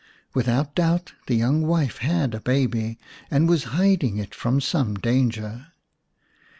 Without doubt the young wife had a baby and was hiding it from some danger.